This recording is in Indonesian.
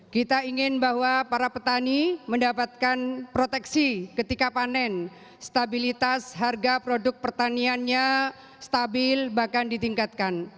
kita ingin bahwa para petani mendapatkan proteksi ketika panen stabilitas harga produk pertaniannya stabil bahkan ditingkatkan